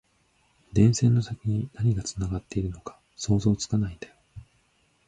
電線の先に何がつながっているのか想像つかないんだよ